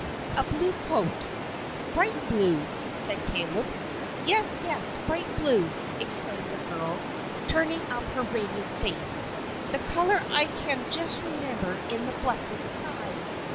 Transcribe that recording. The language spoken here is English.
A blue coat " "Bright blue," said Caleb. "Yes, yes! Bright blue!" exclaimed the girl, turning up her radiant face; "the color I can just remember in the blessed sky!